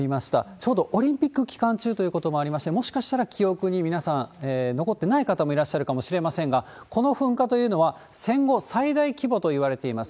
ちょうどオリンピック期間中ということもありまして、もしかしたら記憶に皆さん、残ってない方もいらっしゃるかもしれませんが、この噴火というのは戦後最大規模といわれています。